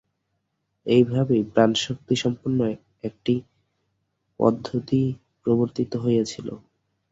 এই ভাবেই প্রাণশক্তিসম্পন্ন একটি পদ্ধতি প্রবর্তিত হইয়াছিল।